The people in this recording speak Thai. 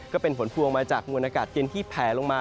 ก็เป็นผลพวงมาจากมวลอากาศเย็นที่แผลลงมา